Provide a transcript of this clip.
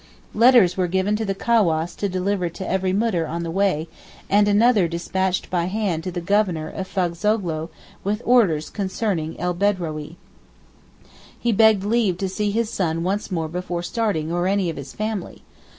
Letters were given to the cawass to deliver to every Moudir on the way, and another despatched by hand to the Governor of Fazoghlou with orders concerning El Bedrawee. He begged leave to see his son once more before starting, or any of his family.